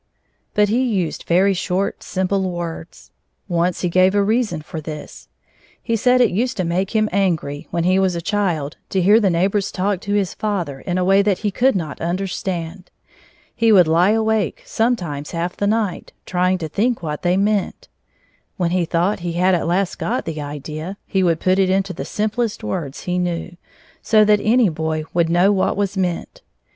But he used very short, simple words. Once he gave a reason for this. He said it used to make him angry, when he was a child, to hear the neighbors talk to his father in a way that he could not understand. He would lie awake, sometimes, half the night, trying to think what they meant. When he thought he had at last got the idea, he would put it into the simplest words he knew, so that any boy would know what was meant.